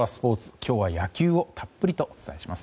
今日は野球をたっぷりとお伝えします。